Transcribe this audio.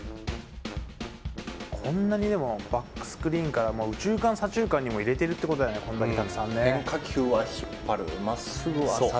こんなにバックスクリーンから、右中間、左中間にも入れてるってことだよね、こんだけ、たくさんね。